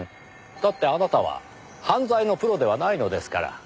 だってあなたは犯罪のプロではないのですから。